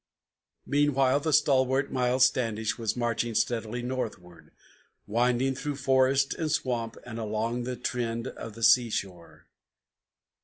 Meanwhile the stalwart Miles Standish was marching steadily northward, Winding through forest and swamp, and along the trend of the sea shore.